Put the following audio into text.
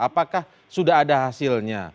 apakah sudah ada hasilnya